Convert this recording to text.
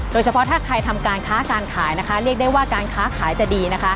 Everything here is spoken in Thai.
โดยเฉพาะถ้าใครทำการค้าการขายนะคะเรียกได้ว่าการค้าขายจะดีนะคะ